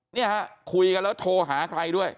เนี่ยฮะคุยกันแล้วโทรหาใครด้วย